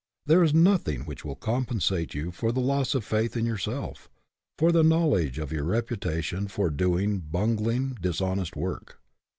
There is nothing which will compensate you for the loss of faith in yourself; for the knowledge of your repu tation for doing bungling, dishonest work.